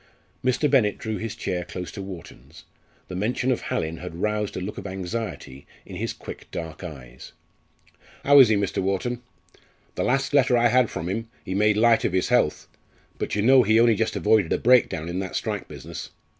Mr. Bennett drew his chair close to Wharton's. The mention of Hallin had roused a look of anxiety in his quick dark eyes. "How is he, Mr. Wharton? The last letter I had from him he made light of his health. But you know he only just avoided a breakdown in that strike business.